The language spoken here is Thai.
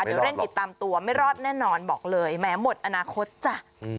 เดี๋ยวเร่งติดตามตัวไม่รอดแน่นอนบอกเลยแม้หมดอนาคตจ้ะ